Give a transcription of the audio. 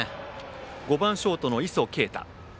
５番ショートの磯圭太。